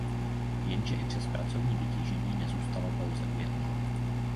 Jenže i přes pracovní vytížení nezůstalo pouze u jednoho.